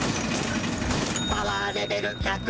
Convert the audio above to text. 「パワーレベル１００」。